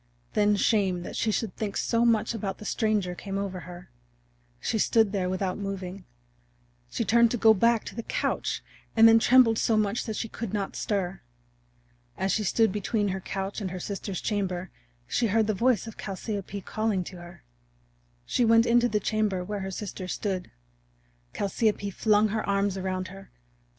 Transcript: Then shame that she should think so much about the stranger came over her. She stood there without moving; she turned to go back to the couch, and then trembled so much that she could not stir. As she stood between her couch and her sister's chamber she heard the voice of Chalciope calling to her. She went into the chamber where her sister stood. Chalciope flung her arms around her.